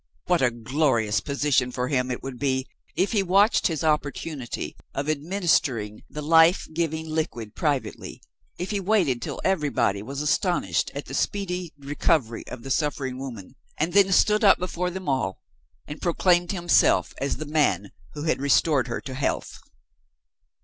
What a glorious position for him it would be, if he watched his opportunity of administering the life giving liquid privately if he waited till everybody was astonished at the speedy recovery of the suffering woman and then stood up before them all, and proclaimed himself as the man who had restored her to health!